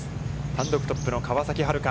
単独トップの川崎春花。